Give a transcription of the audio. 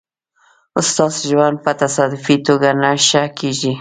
ستاسو ژوند په تصادفي توګه نه ښه کېږي.